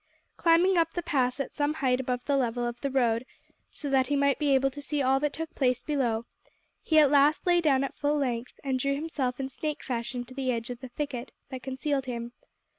Climbing up the pass at some height above the level of the road, so that he might be able to see all that took place below, he at last lay down at full length, and drew himself in snake fashion to the edge of the thicket that concealed him.